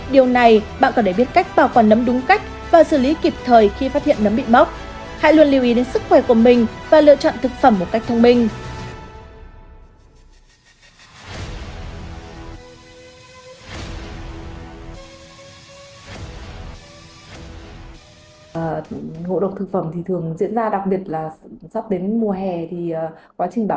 điều này bạn cần để biết cách bảo quản nấm đúng cách và xử lý kịp thời khi phát hiện nấm bị móc